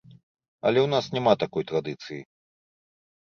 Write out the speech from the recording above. Але ў нас няма такой традыцыі.